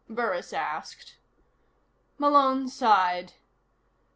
Burris asked. Malone sighed.